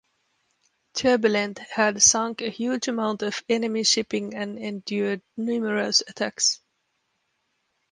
"Turbulent" had sunk a huge amount of enemy shipping and endured numerous attacks.